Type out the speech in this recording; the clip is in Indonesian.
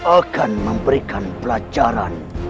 akan memberikan pelajaran